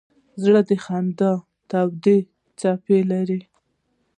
زړه د خندا تودې څپې لري.